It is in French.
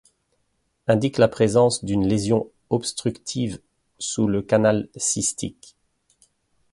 Indique la présence d'une lésion obstructive sous le canal cystique.